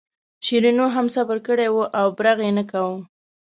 شیرینو هم صبر کړی و او برغ یې نه کاوه.